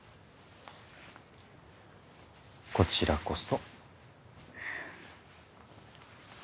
こちらこそ。